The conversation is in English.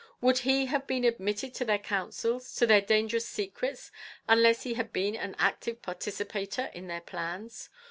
Would he have been admitted to their counsels to their dangerous secrets unless he had been an active participator in their plans?